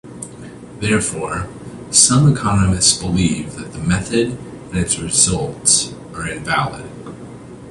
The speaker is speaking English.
Therefore, some economists believe that the method and its results are invalid.